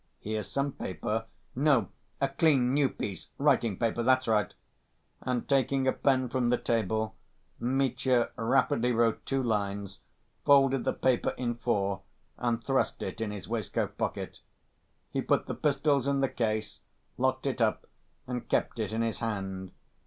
"Here's some paper." "No, a clean new piece, writing‐paper. That's right." And taking a pen from the table, Mitya rapidly wrote two lines, folded the paper in four, and thrust it in his waistcoat pocket. He put the pistols in the case, locked it up, and kept it in his hand.